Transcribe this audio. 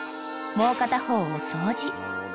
もう片方を掃除］